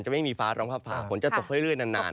ไม่มีฟ้าร้องฟ้าฝนจะตกเรื่อยนาน